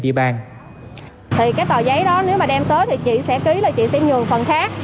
thì cái tờ giấy đó nếu mà đem tới thì chị sẽ ký là chị sẽ nhường phần khác